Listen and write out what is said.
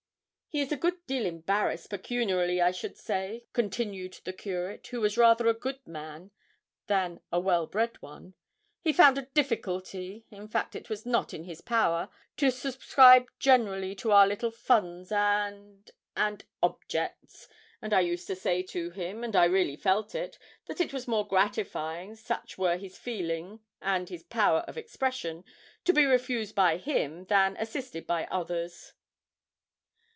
'He is a good deal embarrassed pecuniarily, I should say,' continued the curate, who was rather a good man than a very well bred one. 'He found a difficulty in fact it was not in his power to subscribe generally to our little funds, and and objects, and I used to say to him, and I really felt it, that it was more gratifying, such were his feeling and his power of expression, to be refused by him than assisted by others.'